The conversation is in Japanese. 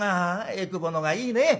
えくぼのほうがいいね。